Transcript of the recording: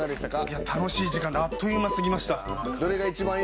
楽しい時間であっという間すぎました。